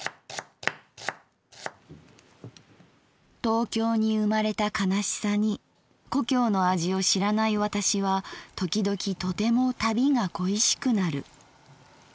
「東京に生まれた悲しさに故郷の味を知らない私はときどきとても旅が恋しくなる。